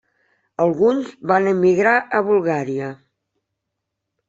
Alguns van emigrar a Bulgària.